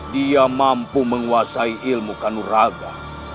dia mampu menguasai ilmu kanuraga